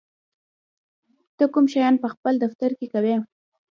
ته کوم شیان په خپل دفتر کې کوې؟